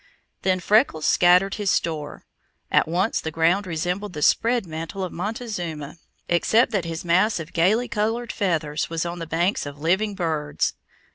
Then Freckles scattered his store. At once the ground resembled the spread mantle of Montezuma, except that this mass of gaily colored feathers was on the backs of living birds.